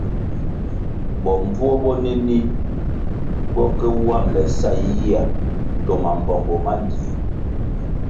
Bombvuo bonenih bo ke wambʼle sa yiyihya to mambpongo mangie,